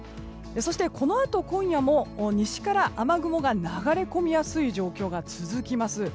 このあと今夜も西から雨雲が流れやすい状況が続きます。